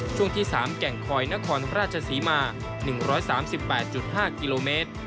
ช่วงที่๓แก่งคอยนครราชศรีมา๑๓๘๕กิโลเมตร